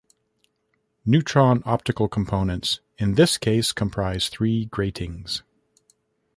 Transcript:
Neutron-optical components in this case comprise three gratings.